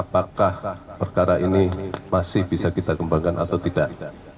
apakah perkara ini masih bisa kita kembangkan atau tidak